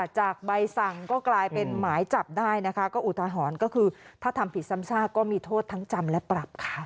จากใบสั่งก็กลายเป็นหมายจับได้นะคะก็อุทหรณ์ก็คือถ้าทำผิดซ้ำซากก็มีโทษทั้งจำและปรับค่ะ